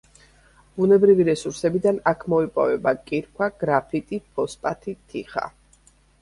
ბუნებრივი რესურსებიდან აქ მოიპოვება, კირქვა, გრაფიტი, ფოსფატი, თიხა.